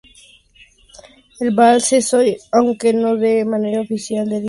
El vals es hoy, aunque no de manera oficial, el himno de Oaxaca.